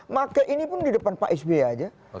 pakai ini pun di depan pak sbi aja